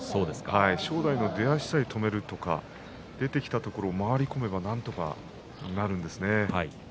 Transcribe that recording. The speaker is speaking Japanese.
正代は出足さえ止めて出てきたところを回り込めばなんとかなるんですね。